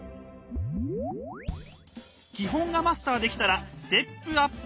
基本がマスターできたらステップアップ！